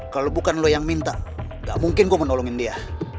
kalau bukan lo yang minta nggak mungkin gue mau nolongin dia